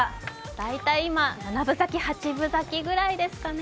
大体今、７分咲き、８分咲きぐらいでしょうかね。